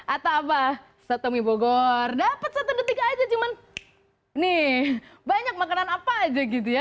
atau apa satu mie bogor dapat satu detik aja cuman nih banyak makanan apa aja gitu ya